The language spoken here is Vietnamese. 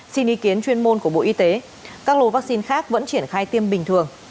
xin ý kiến chuyên môn của bộ y tế các lô vaccine khác vẫn triển khai tiêm bình thường